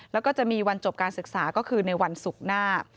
แล้วก็จะมีวันจบการศึกษาก็คือในวันศุกร์หน้า